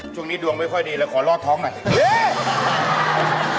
ช่วงนี้ดวงไม่ค่อยดีแล้วขอรอดท้องหน่อย